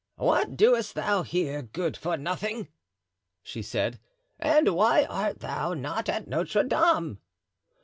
"What doest thou here, good for nothing?" she said, "and why art thou not at Notre Dame?"